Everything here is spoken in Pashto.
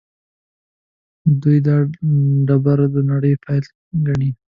دوی دا ډبره د نړۍ پیل ګڼي.